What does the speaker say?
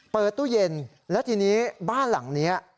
ตู้เย็นแล้วทีนี้บ้านหลังนี้